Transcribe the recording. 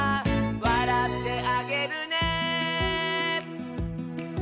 「わらってあげるね」